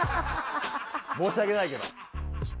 申し訳ないけど。